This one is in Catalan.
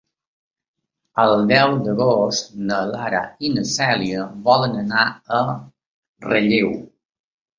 El deu d'agost na Lara i na Cèlia volen anar a Relleu.